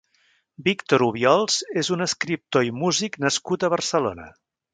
Víctor Obiols és un escriptor i músic nascut a Barcelona.